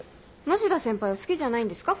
梨田先輩は好きじゃないんですか？